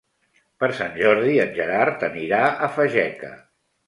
Per Sant Jordi en Gerard anirà a Fageca.